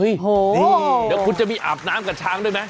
โอ้โหแล้วคุณจะมีอาบน้ำกับช้างด้วยไหม